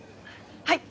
はい！